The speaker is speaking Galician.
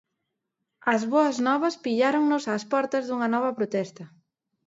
As boas novas pilláronnos ás portas dunha nova protesta.